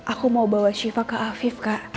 aku mau bawa shiva ke afif kak